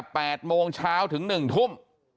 จาก๘โมงเช้าถึง๑ทุ่ม